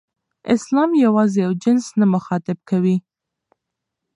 اسلام یوازې یو جنس نه مخاطب کوي.